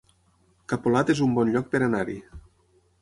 Capolat es un bon lloc per anar-hi